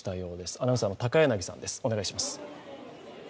アナウンサーの高柳さんです。